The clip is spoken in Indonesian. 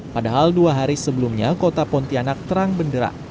padahal dua hari sebelumnya kota pontianak terang bendera